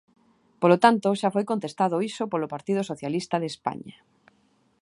Polo tanto, xa foi contestado iso polo Partido Socialista de España.